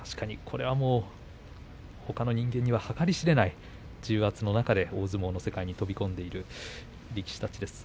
ほかの人間には計り知れない重圧の中で大相撲の世界に飛び込んでいる力士たちです。